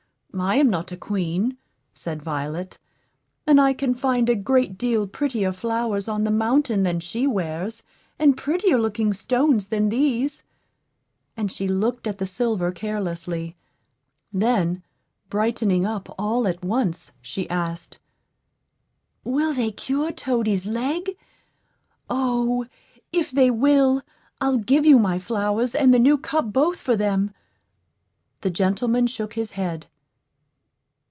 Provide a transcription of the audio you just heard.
I am not a queen," said Violet, "and I can find a great deal prettier flowers on the mountain than she wears, and prettier looking stones than these;" and she looked at the silver carelessly; then, brightening up all at once, she asked, "Will they cure Toady's leg? O, if they will, I'll give you my flowers and the new cup both for them." The gentleman shook his head.